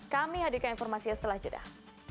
kami hadirkan informasinya setelah jeda